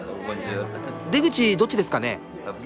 出口どっちですかね？